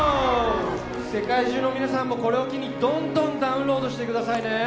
世界中の皆さんもこれを機にどんどんダウンロードしてくださいね